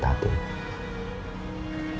tapi jujur bel